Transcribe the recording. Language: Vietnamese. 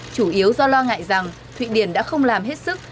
chủ yếu do lo ngại rằng thụy điển đã không làm hết sức